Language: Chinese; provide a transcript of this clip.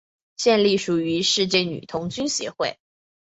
现隶属于世界女童军协会。